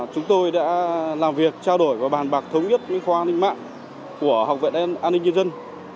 chúng tôi đã làm việc trao đổi và bàn bạc thống nhất với khoa an ninh mạng của học viện an ninh nhân dân